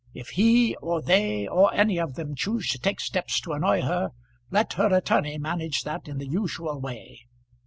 If he, or they, or any of them choose to take steps to annoy her, let her attorney manage that in the usual way.